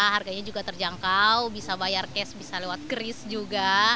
harganya juga terjangkau bisa bayar cash bisa lewat keris juga